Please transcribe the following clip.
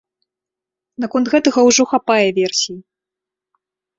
Наконт гэтага ўжо хапае версій.